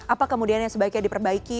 apa kemudian yang sebaiknya diperbaiki